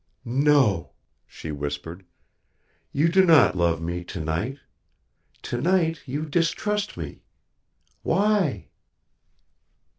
"No," she whispered. "You do not love me tonight. Tonight you distrust me. Why?"